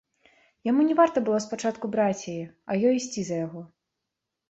Яму не варта было спачатку браць яе, а ёй ісці за яго.